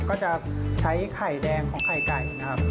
ก็จะใช้ไข่แดงของไข่ไก่นะครับ